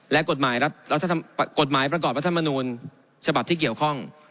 และกฎหมายประกอบรัฐมนูลฉบับที่เกี่ยวข้อง